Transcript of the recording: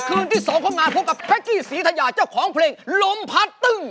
คืนที่สองผมมาพบกับแพ็กจี้ศรีธยาเจ้าของเพลงลมพัดตึ้ง